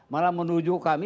malah menuju kami